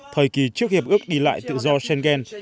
thời kỳ trước hiệp ước đi lại tự do schengen